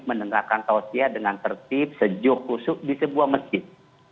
menerakan tausia dengan tertib sejuk kusuk di sebuah masjid